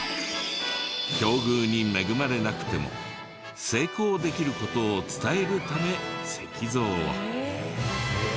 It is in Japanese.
境遇に恵まれなくても成功できる事を伝えるため石像を。